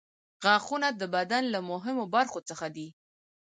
غاښونه د بدن له مهمو برخو څخه دي.